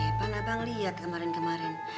eh panah bang liat kemarin kemarin